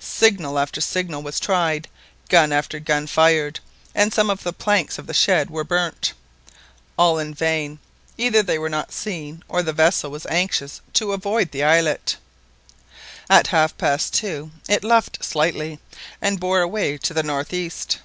Signal after signal was tried, gun after gun fired, and some of the planks of the shed were burnt. All in vain—either they were not seen, or the vessel was anxious to avoid the islet. At half past two it luffed slightly, and bore away to the northeast.